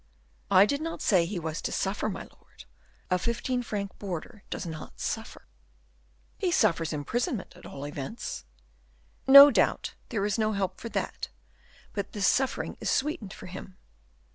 "I did not say he was to suffer, my lord; a fifteen franc boarder does not suffer." "He suffers imprisonment, at all events." "No doubt; there is no help for that, but this suffering is sweetened for him.